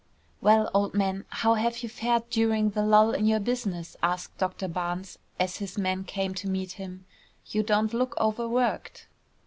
"Well, old man, how have you fared during the lull in your business?" asked Doctor Barnes, as his man came to meet him. "You don't look overworked."